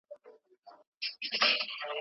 سل کلن کسان متنوع مایکروبیوم لري.